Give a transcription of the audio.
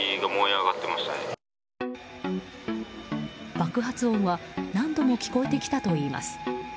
爆発音は何度も聞こえてきたといいます。